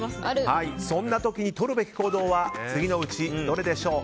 そんな時に取るべき行動は次のうちどれでしょう。